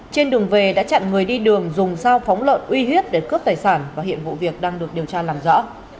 trên đường về đã chặn người đi đường dùng sao phóng lợn uy huyết để cướp tài sản và hiện vụ việc đang được điều tra làm rõ